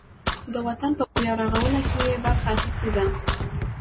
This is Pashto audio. د وطن په بیارغاونه کې یې برخه اخیستې ده.